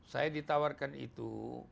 saya ditawarkan itu